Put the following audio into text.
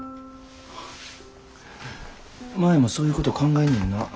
舞もそういうこと考えんねんなぁ。